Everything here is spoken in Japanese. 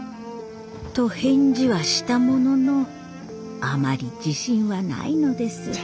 と返事はしたもののあまり自信はないのです。